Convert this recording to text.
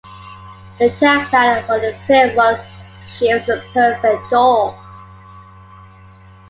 The tagline for the film was She was a perfect doll.